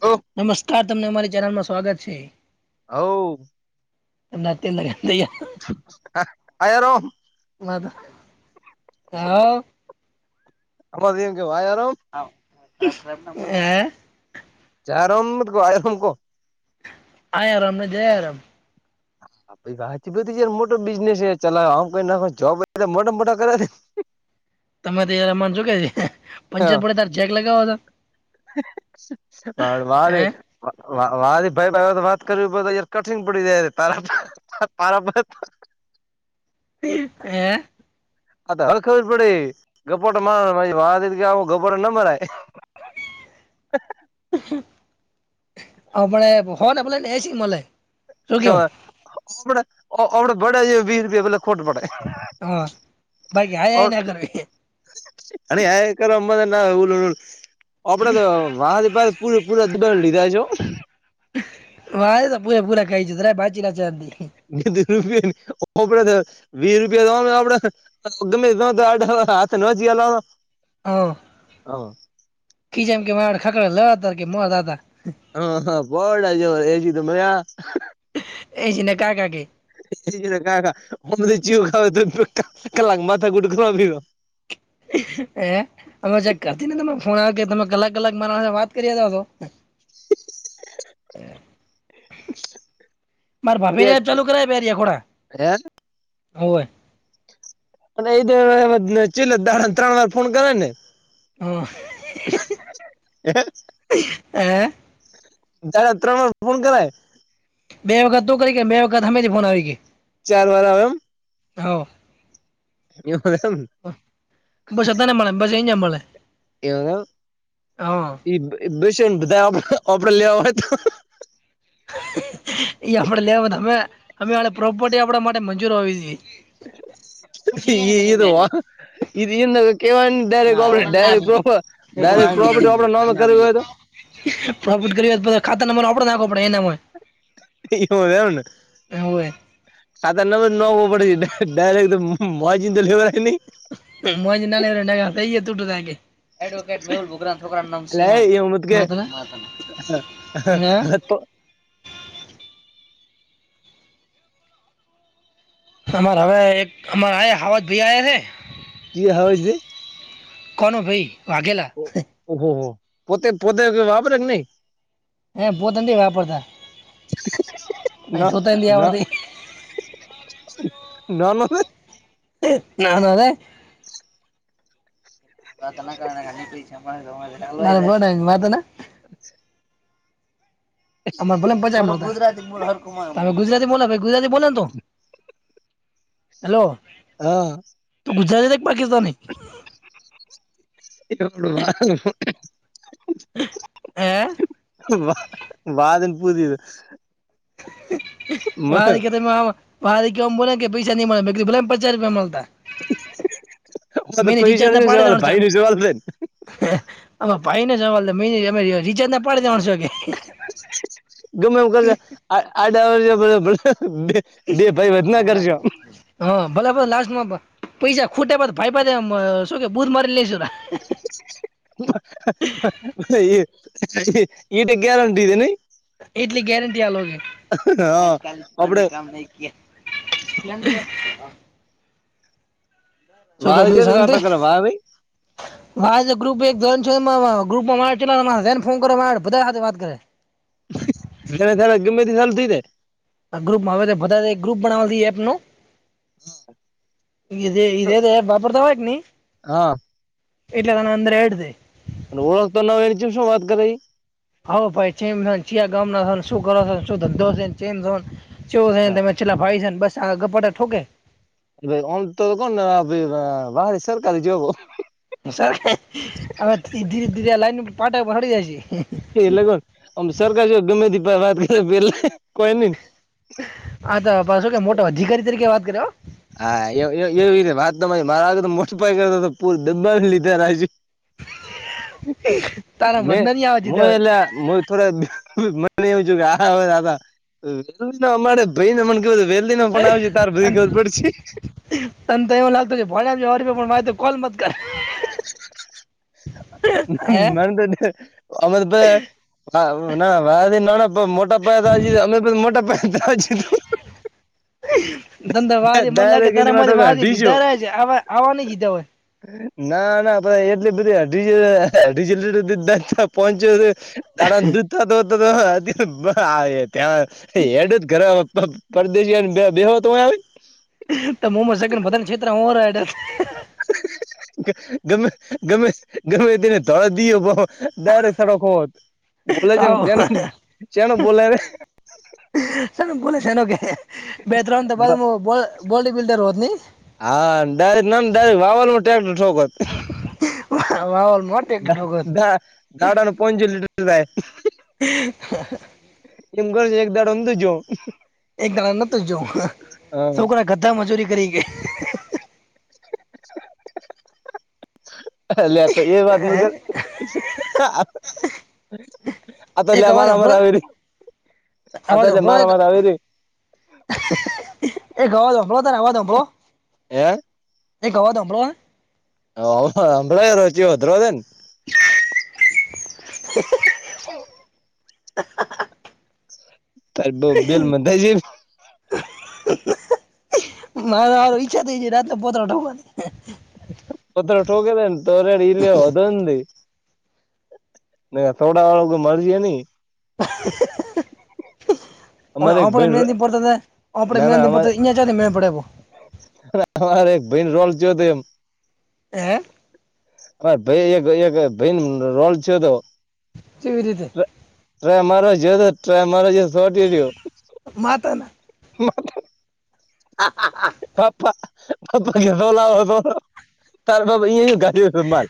ઓ. નમસ્કાર તમને અમારી ચેનલમાં સ્વાગત છે. હોવ. એમના તે લગાવ દઈ‌. હાયારો [unintelligible] બ હ [unintelligible] અમધ એ કે વા [unintelligible] રો હ હ [unintelligible] ચારમ ક આ રમ કો [unintelligible] હા, આ રામ ને, જયા આરામ. પ વા બધી જયાર મોટો બિઝનેસ ચલામ, કોઈ ના જોબ મોટા-મોટા કરે. તમેરે તોય રમા છો કે છે. પંચર હા, પડે તાર ચેક લગાવો તો હ, વારે હે વા ભાઈ વાત કરે, કઠંગ પડી જાય, તારા તારા. હ. આ હવે ખબર પડે, ગપ્પટ મા વાતી કે, ગપ્પટ નંબર. અ મને હન એ બને નશમલે- [unintelligible] કેયમમ બડ જે વી રૂપિયા મતલબ- [unintelligible] ખોટ પડે. હા બાકી હાય હાય ના કરવી અને આ કર અ ના ઉલલ- [unintelligible] આપડે તો, વા પૂરે પૂરાબ લીધા છો. વા એ તો પૂરા પૂરા કાય છે તરા બાચીલા ચી- [unintelligible] રૂપિયાડ [unintelligible] વીસ રૂપિયા દવાનું આપ, ડે ગમે હાથ ન જયા લનો. હા, કી જેમ કે, માડ ખાકડા લેવા હતા કે, મોતા હતા‌. હા હા બડા જ એજ ત- એસી ને કાકા કે [unintelligible] એજ કાકામ તો ચીવું ખા તલા માથ ગુટુંક- [unintelligible] હ અમે ચક કરતી ને ત ફોન આવ કે તમે કલાક કલાક મારા સાથે વાત કરી તો- [unintelligible] [unintelligible] મારે ભાભી ને હે ચાલુ કરાય, બેરિયા ખોડા હોય. અને એ ચીલે ત્રણ વાર ફોન કરે ને. હ હ [unintelligible] સાડા ત્રણ ફોન કરાય? બે વખત તું કરી કે, બે વખત અમે જ ફોન આવી. ચાર વાર આવે, એમ. હા. બસધને મળે, બસ એ જ મળલે. એ એ બેસ બધા આપડે, લેવા હોય તો. એ આપડે લેવા, અમે અમે પ્રોપર્ટી, આપડા માટે મંજૂર હો જોઈએ. એ એ વા એન કેવા- [unintelligible] ડાયરેક, ડાયરેક્ટો, ડાયરેક પ્રોપટી આપડે, નમે કરવી હોય તો. પ્રોફિટ કરે, પછી ખાતા નંબર આપડે નાખોડે, એના હોય. ઈવુ છે, એમને. હોય હોય આ ત નો નો ઉપડે છે ડાયરેક્ટ માજી તો લેવ દયા નહી મોજ ના [unintelligible] કયે ટુટુ લાગે એડવોકેટ મેહુલ [unintelligible] છોકરા નુ નામ એટલે સિંહાન્સ એવું મત કે [unintelligible] ને અમારે હવે એક અમારે આ હવાજ ભઈ આયા હે રી હાવજ ઈ કોનુંભાઈ વાઘેલા ઓહોહો પોતે પોતે વાપર કે ની હે પોતે નથી વાપરતા ન અહીં ધોતંદી ન આવડતી નાનો છે નાનો છે [unintelligible] વાત અ ને [inaudible] અમારે ભાલે [unintelligible] તમે ગુજરાતી બોલો મને હરખું તમે ગુજરાતી બોલો ગુજરાતી બોલ ને તું હલો હા તું ગુજરાતી છે કે પાકિસ્તાની [unintelligible] એ વા વાહજી ને પૂછીજો વા કીતે મા વાહ કે એમ બોલેન પૈસા ની મળતા મેં કીધું ભલે ને પચાસ રૂપિયા મળતા હ તો મેં પૈસાનો ની સવાલ ભાઈનો સવાલ છે આ ભાઈને સવાલ છે મહીને અમે રિચાર્જ ના પાડી જણસો કે ગમે એમ કર આ આડા [unintelligible] બે ભાઈ વધના કરસો હ ભલે આપડે લાસ્ટમાં પૈસા ખૂટ્યા બાદ ભાઈ પાસે શું કે બુધ મારીને લેશુ એ એ એટે ગેરંટી છે નિઇ એટલી ગેરંટી આલો કે હા આજકાલ ઉત્પાન આપડે મેં કામ નહી કિયા [inaudible] શું કે વાલ [unintelligible] વાહ ભાઈ મારું [unintelligible] ગ્રુપ એક જોઇન છોએ ગુપમાં જેને ફોન કરે મા બધા સાથે વાત કરે [unintelligible] ગમેતી સાલુ થઈ જાય આ ગ્રુપ હવે તે બધાતે ગ્રુપ બનાવી છી એપનું ઈ જે જે એપ વાપરતા હોય કે ની હા. એટલા જણા અંદર એડ છે ને ઓળખતો નો હોય એની ચમ શું વાત કરીઈ હોઓ ભાઈ ચેમ છોન ચિયા ગામના છોન શું કરો સો શું ધંધો છેન ચેન સો ચેવું છેન તમે ચેટલા ભાઈ છેને બસ આ ગપાતા ઠોકે ભાઈ આમ તો કોન વાહરે સરકારી જોબો સર હવે ધીરે ધીરે લાઈન પાટ પર ચડી જાય હી એટલે કો હુ ઓમ સરકાર જો ગમે તે પાહે વાત કર પેલે કોઈ નિન આ તો પાછો કે મોટો અધિકારી તરીકે વાત કરે હોં હા એ એવી રીતે વાત તો મારા આગળ તો મોટપાઈ કરતો હતો પૂર દબાવી લીધા રાખશુ તારા મે વધના નહીં આવે જીધા મુું હવે એલા મુએ થોડા મને એવું થયું કે, આયે સો હવે જતા. અમારે ભાઈને કેવું, વેલજીનો ફોન આવશે, તાર બધી ખબર પડશે. તને તો એમ લાગતો છે, ભોડામ જ્યો પણ મારો ઓળશ્યા કોલ મત કર. હે [unintelligible] [unintelligible] અમે પહે હા, ના, નાના-મોટા પાય તો, અમે મોટા પાયે. હ. ધંધાવાદી મને લાગે એની તારા મારી માટે વાદી અઢીસો લીધા, ર છેવા આવવા નઈ જીધા હોય. ના ના આપણે એટલી બધીડીલડીલ પહોંચ્યો [unintelligible] દાણા દૂધતા તો ત્યાં ય એડ જ ઘર [unintelligible] પરદેશી યન બેહો તય આવી. તો મોમ સગનધ [unintelligible] હ, હા. ગમે, ગમે, ગમે તેને ધોળ દયો, બહુ દરે સડક બોલે છે, આવો ચ ચનો બોલેને. સ બોલે છે કે, બે-ત્રણ તો બાદ બો બોડી બિલ્ડર હોતની. હા ડરેક ના ડ વાવા ટક્ટર છોક [unintelligible] વાવલ મોટે ડોગત ધાડા ન પંચો લીટર થાય. હ. એમ કરજો, એક દારો દાડોંધ જો. એક ગાણા ન જોવું, હા છોકરા ગધા મજૂરી કરી ગ. લેતો એ, વાત ન કે. હા. અત એક લ્યા અવાજ મારા મારા હંભળો વરી અત લ્યા મારા મારા આવે વરી [unintelligible] એ ગવા દંભલો, તને અવા દંભલો. એ. એ ઘવા ધંભળ. આવો ઓફર સાંભળેલો છે, રો ભદ્ર દન. હ. હા, હા. તારે બહુ બેલ, મંધાય જ. ના, મા ઈચ્છા થઈ જાય, રાતના પોતત્ર ઢવાની. પત્રોટગ દન તોરડ એલ્ અદંધ [unintelligible] ન થોડા વાળ કોઈ મરજે ની. હ. હ, અમારે એક આપણે ભાઈ મેનતા હતા, હ, આપણે ના ના મેનતા અમારે હતાહીયા ચા ન મેળ પડે એવો. અમારે એક ભાઈને રોલ જ હતો એમ. હે. હ, ભાઈ એક-એક ભાઈ રોલ છે તો. શવી રીતે [unintelligible] ટ મારો જે હતો, ટ્રેક મારો જે સોટી રહ્યો. માતાના હા, હા, હા. પાપા સોલા સો, તારે બાબા ઇ. માલ.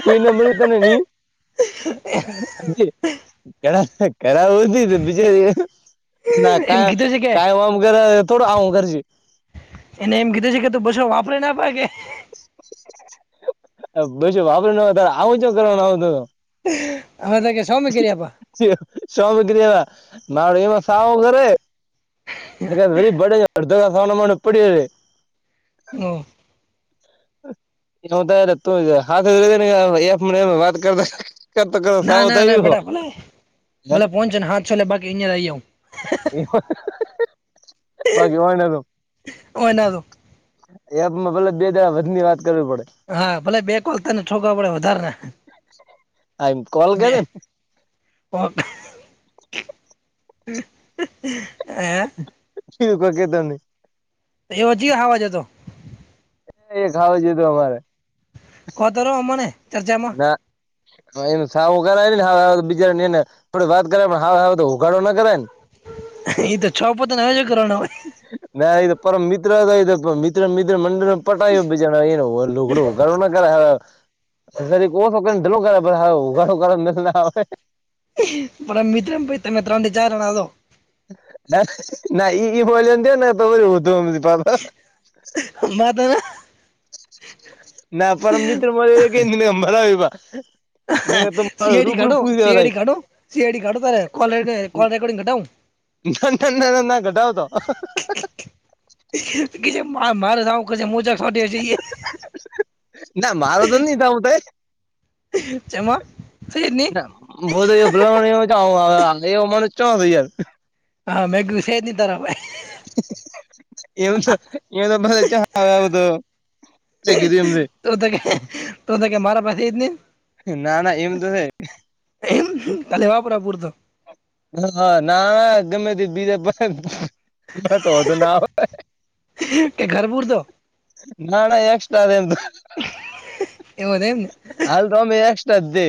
કોઈ નંબર તને ની. જે કળા કળાવ હુધી બીજેના એમ કા. કીધું છે કે કઈ ઓમ કરે થોડું આઉ ઘરજી. એને એમ કીધું છે કે તું પછો વાપરીને પાકે. અ બીજું વાપરીને આવે તારે આવું જો કરવાનું આવ તો. અવે તો કે સો મે કરી આપા. શું સો મે કરી આપા ના એવા ન સાવ કરે. એ કાય વરી ભડે અડધો છાનોમાનો પડ્યો રે. હમ્મ. નવ તાર રેતો જા હાથ [unintelligible] એકને એક વાત કરતાં. કરતો કર ના સાવું ના ના થઈ હો. બેટા ભલે ભલે પોનસો કે હાતસો લે બાકી આયા લઈ આવું. એવ બાકી ઓય ને તો. ઓય ના તો એપમાં ભલે બે દડા વધની વાત કરવી પડે. હા ભલે બે કોલ તને ઠોકવા પડે વધારને આ એમ કોલ બે. કેતો પોક હે. શું બાકી તમે? એવો ચી હાવજ હતો? એ ખાવ જોઈતું અમારે. કોતો રો અમને ચર્ચા ના. એ સાવું કરાય ને હ તો બીજા એને થોડી વાત કરે હાર હાર તો ઉઘાડો ના કરાય ને. એ તો છોપોતો હવે શું કરવાનું? નાઈ એ તો પરમ મિત્ર થઈ જતો મિ ત્ર મિત્ર મંડળને પટાયો બીજાને હો છોકરો ઉઘાડો ન કરાય હારા. ઘ કરી કો સૌને ચલો કરે પહી હાવ ઊભા તો કરો મારા મિત્ર ભઈ તમે ત્રણથી ચાર જણા છો. એ ના ઈ ઈ બોયલો ને તો ઊન્ધુ હમજી પા માતાના ના પરમ મિત્ર મળ્યો એકે નઈ મે કે મરાઈ પા. સી આઈ ડી કાઢું, સી આઈ ડી કાઢું, સી આઈ ડી કાઢું તારે કો કોલ રેકોર્ડિંગ કઢાવું. ના ના ના ના કઢાવ તો. કેજે મારે સાવું કરશે મુ ચોક ચોંટ્યો જઈએ. ના મારો તો ની સાવું થાય. ચમા? થી જ ની? ઊભો થયો પેલો જયો અવો એનો મોનણ ચો યાર. હા મેં કીધું હેજ નયી તારા પાહે. એવું છે એમ તો મારે ચ આવું તો. તે કીધું એમને. તો તો કે તો તો કે મારા પાસે છેજ નહીં. ના ના એમ તો છે. એમ ખાલી રેવાપુરા પૂરતું. હ ના ગમે તે બીજા પાસે અમારે તો વોધો ના આવે. કે ઘર પૂરતો ના, ના, એમ તો એક્સ્ટ્રા છે. એવુ છે, એમ. હાલ તો, અમે એક્સ્ટ્રા જ છે.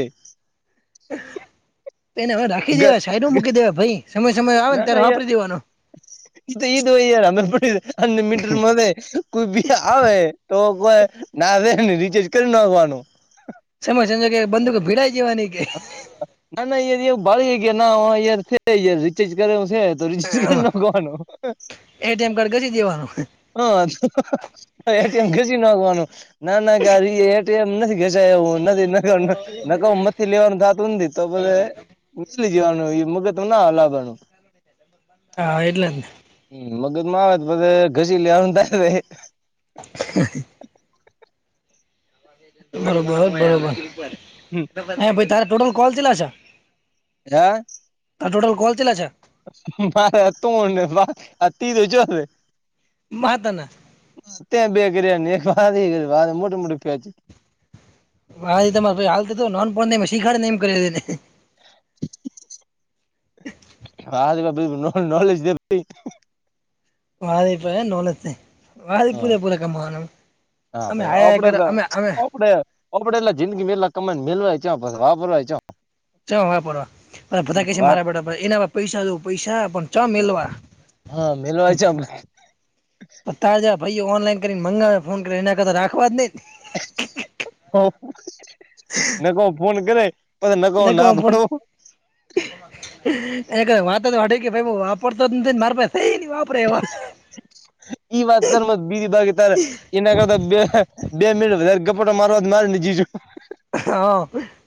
તો એને ઢાંકી દેવા સાઈડ દે મૂકી દેવા ભાઈ, સમય-સમય આવે ને, ત્યારે વાપરી દેવાનો. એ તો એ જ હોય, હમણાં અનલિમિટેડ હોય. કોઈ બીજ આવે, તો કોઈ ના આવેને, રિચાર્જ કરી નાખવાનો. સમય સંજો કે, બંદુક ભીડાઈ જવાની. કે ના, ના, એવું ભળે ગયા ના, રિચાર્જ કરે છે. દરી જ કે ન ગવાનો એટીએમ કાર્ડ ઘસી દેવાનું [unintelligible] એટીએમ, ઘસી નાખવાનું ના ના. ગ નદી નગ નગવ [unintelligible] થી લેવાનું, ધાત ઊંધી તો બધ મલી જવાનું મગ. તો ના હલાવવાનું. હા એટલે જ હ મગત મા આવે પછી ઘસી લેવાનું [unintelligible] [unintelligible] બ બરોબ હ તારેા ટોટલ કોલ ચેટલા છે. [unintelligible] હા. તાર ટોટલ કોલ ચેતલા છે. મારે તોણ ને પાચ આ તીજે ચોથુ હે. મહ તના [unintelligible] ત્યાં બે કર્યા એક વા વા મોટું મોટું ફેચ [unintelligible] ભાઈ હ, તમારે હાલ થ નોન પણ શીખડ ને, એમ કરને. હાલ નો, નોલેજ દે ભાઈ. વારે પય નોલેત પર. વા હા પૂરે પૂરે કમાવાનું, હા અમે હાયા હય કર, અમે અમે. હબડ એલા જિંદી મેલા અ કામન મેલવા ચા પસ વાબરય ચો. [unintelligible] ચ વાપરવા બધા કે વાત મારા એના પૈસા જો પૈસા પણ ચ મેલવા, [unintelligible] હા મેલવાય ચ [unintelligible] તો તાજા ભાઈઓ ઓનલાઈન કરીને મંગાવે, ફોન કરી, એના કરતાં રાખવા જ નઈ. ના ક ફોન કરે. પછી નકો લ ગ ના ફોન. પાડો એ વાત તો વાડે કે, ભાઈ વાપરતો મારા પાહે. ઈ વાત કર મ બીજી બાાગે તારે, [unintelligible] એના કરતા, બે-બે મિનટ વધારે ગપાટો મારવા મારીને જીજુ. હા,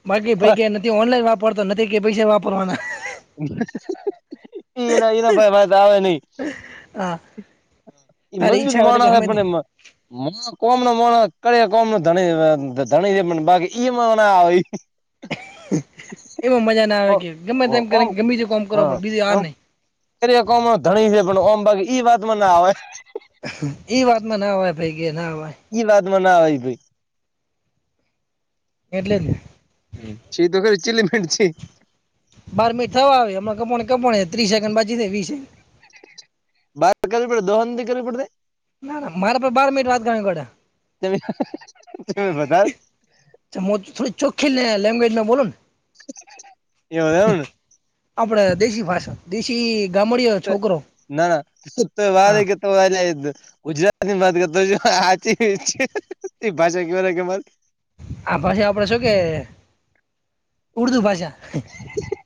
બાકી ભાઈ કે નથી, ઓનલાઈન વાપરતા નથી કે, પૈસા વાપરવાના. એના, એના ભાઈ મારે તો આવે નઈ. હા એ તારી મજબૂત ઈચ્છા હોય તો કે માણસ અમે પણ એમાં. માં કોમ ન ક કોમણી ધણી ધણી છે, બાકી ઈ ના આવે. એમાં મજા ના આવે કે, ગમેમ ઓમ ગમે તે કોમ કરવા, બીજું આ નહીં. એ કોમ ધણી હે, ઓમ પણ ઓમ બાકી ઈ વાતમાં ના આવે. ઈ વાતમાં ના હોય, ભાઈ કે ના હોય. એઈ વાતમાં ના આવે, ભાઈ. એટલે જ ને હ, છીતો ખરી ચીટલી મીન્ટ છે. બાર મિનિટ થવા આવે, એ કપ કપો ત્રી સેકન્ડ બાકી છ વીસ બાત કરવી પડે, દોહનથી કરવી પડતી. ના ના મારા પર બાર મિટ વાત કરવી પડા, તમે તમે વધારે મુ ત થોડી ચોખ્ખી લ લેંગ્વેજમાં બોલુને, એમ ને, આપડે દેશી ભાષા દેશી, ગામડીયો છોકરો ના તોય વારે હા હે કે, તમ આજે ગુજરાતી મા વાત કરતો આચી તયી એ ભાષા કેવા કે, આ ભાષા આપડે શું કે ઉર્દુ ભાષા, હ હ,